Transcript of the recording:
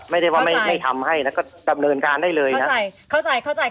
ไม่ได้ว่าไม่ทำให้แล้วก็กำเนินการได้เลย